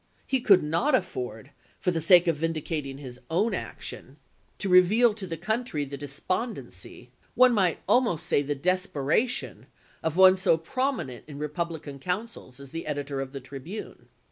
He could not afford, for the sake of vindicating his own action, 198 ABRAHAM LINCOLN chap. viii. to reveal to the country the despondency — one might almost say the desperation — of one so promi nent in Bepublican councils as the editor of the " Tribune."